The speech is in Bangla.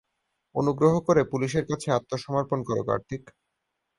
অনুগ্রহ করে পুলিশের কাছে আত্মসমর্পণ করো কার্তিক!